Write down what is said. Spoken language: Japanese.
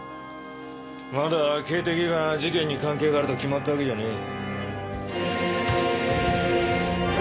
まだ警笛が事件に関係があると決まったわけじゃねえ。